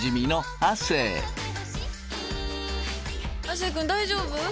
亜生くん大丈夫？